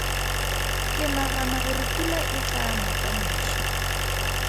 Ke nagana gore pula e tlaa na ka moso.